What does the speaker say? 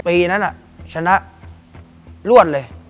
ปีนั้นชนะรวดเลย